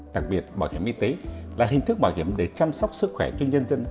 đặc biệt bảo hiểm y tế là hình thức bảo hiểm để chăm sóc sức khỏe cho nhân dân